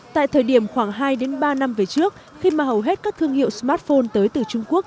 tại thời điểm khoảng hai ba năm về trước khi mà hầu hết các thương hiệu smartphone tới từ trung quốc